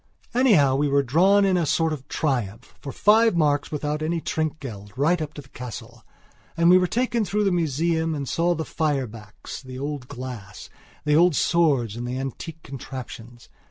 Anyhow, we were drawn in a sort of triumph, for five marks without any trinkgeld, right up to the castle. And we were taken through the museum and saw the fire backs, the old glass, the old swords and the antique contraptions.